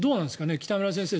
北村先生。